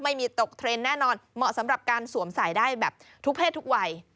ไม่มีตกเทรนด์แน่นอนเหมาะสำหรับการสวมใส่ได้แบบทุกเพศทุกวัย